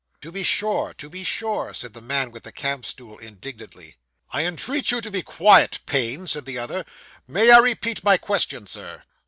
'To be sure to be sure,' said the man with the camp stool indignantly. 'I entreat you to be quiet, Payne,' said the other. 'May I repeat my question, Sir?